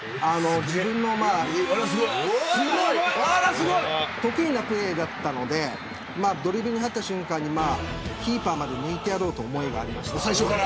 自分の得意なプレーだったのでドリブルに入った瞬間にキーパーまで抜いてやろうという思いがありました。